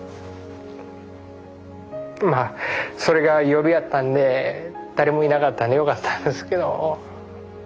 まあそれが夜やったんで誰もいなかったんでよかったんですけど。